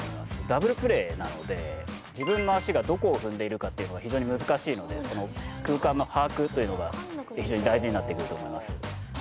ダブルプレイなので自分の足がどこを踏んでいるかというのが非常に難しいのでその空間の把握というのが非常に大事になってくると思います